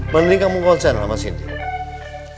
mending kamu konsen sama centini